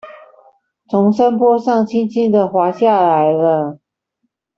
從山坡上輕輕的滑下來了